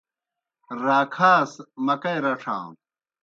راکھاس سہ مکئی رڇھانوْ۔